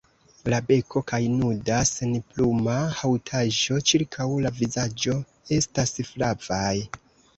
La beko kaj nuda senpluma haŭtaĵo ĉirkaŭ la vizaĝo estas flavaj.